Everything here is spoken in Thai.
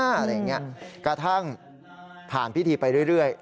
อะไรอย่างนี้กระทั่งผ่านพิธีไปเรื่อย